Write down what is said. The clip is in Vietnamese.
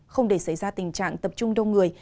không để xảy ra tình trạng tập trung đông người